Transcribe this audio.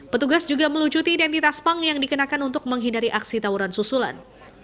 petugas juga melucuti identitas pang yang dikenakan untuk menghindari aksi tawuran susulan